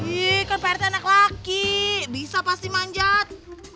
ih kan pak rete enak lagi bisa pasti manjat